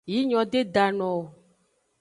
Yi nyo de da no o.